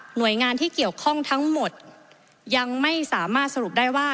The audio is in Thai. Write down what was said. หน่วยงานที่เกี่ยวข้องทั้งหมดยังไม่สามารถสรุปได้ว่า